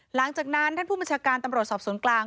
หลังจากนั้นท่านผู้บัญชาการตำรวจสอบสวนกลาง